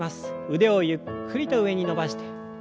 腕をゆっくりと上に伸ばして。